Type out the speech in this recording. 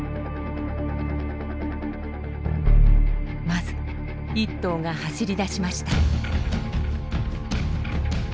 まず１頭が走り出しました。